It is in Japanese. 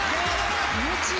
気持ちいい。